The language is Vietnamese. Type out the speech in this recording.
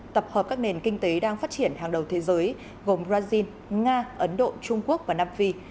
tập hợp các nền kinh tế đang phát triển hàng đầu thế giới gồm brazil nga ấn độ trung quốc và nam phi